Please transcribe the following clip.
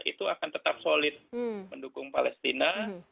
itu akan tetap solid mendukung palestina